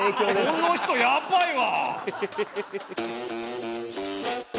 この人やばいわ！